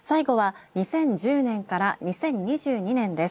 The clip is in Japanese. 最後は２０１０年から２０２２年です。